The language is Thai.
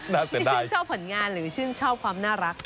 น่าเสียดายชื่นชอบผลงานหรือชื่นชอบความน่ารัก